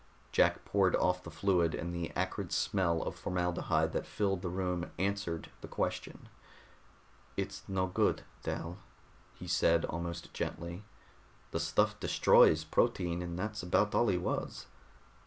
Jack poured off the fluid, and the acrid smell of formaldehyde that filled the room answered the question. "It's no good, Dal," he said, almost gently. "The stuff destroys protein, and that's about all he was.